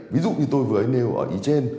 ví dụ như tôi vừa nêu ở ý trên